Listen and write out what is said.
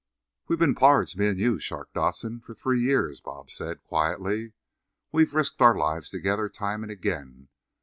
"We been pards, me and you, Shark Dodson, for three year," Bob said quietly. "We've risked our lives together time and again.